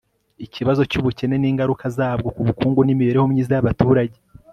ikibazo cy'ubukene n'ingaruka zabwo ku bukungu n'imibereho myiza y'abaturage